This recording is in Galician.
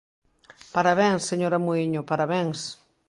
¡Parabéns, señora Muíño, parabéns!